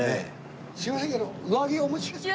すいませんけど上着お持ちですか？